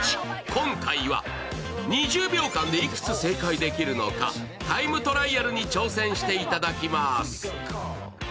今回は２０秒間でいくつ正解できるのか、タイムトライアルに挑戦していただきます。